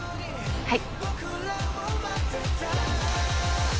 はい。